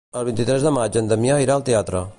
El vint-i-tres de maig en Damià irà al teatre.